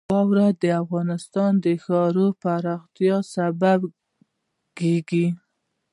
واوره د افغانستان د ښاري پراختیا یو سبب کېږي.